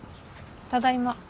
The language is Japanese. ただいま。